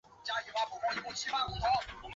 此党于犹太人大起义期间十分著名。